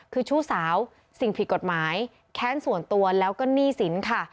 คือชู้สาวสิ่งผิดกฎหมายแค้นส่วนตัวแล้วก็หนี้สินค่ะ